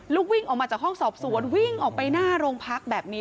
ลูกวิ่งออกมาจากห้องสอบสวนวิ่งออกไปหน้าโรงพักแบบนี้